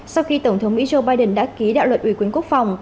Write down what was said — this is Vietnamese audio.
sau khi tổng thống mỹ joe biden đã ký đạo luật ủy quyến quốc phòng